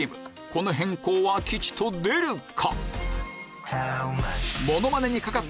この変更は吉と出るか？